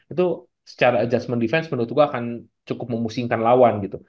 itu secara adjustment defense menurut gue akan cukup memusingkan lawan gitu